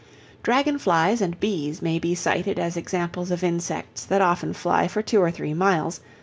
Dragon flies and bees may be cited as examples of insects that often fly for two or three miles.